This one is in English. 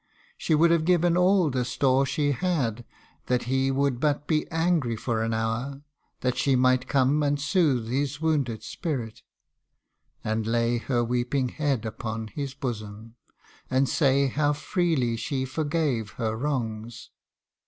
She would have given all the store she had, That he would but be angry for an hour, That she might come and soothe his wounded spirit, And lay her weeping head upon his bosom, And say, how freely she forgave her wrongs : THE FUTURE.